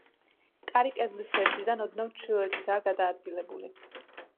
კარი კედლის ღერძიდან ოდნავ ჩრდილოეთითაა გადაადგილებული.